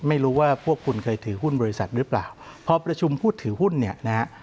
ไม่รู้ว่าพวกคุณเคยถือหุ้นบริษัทหรือเปล่าพอประชุมผู้ถือหุ้นเนี่ยนะฮะ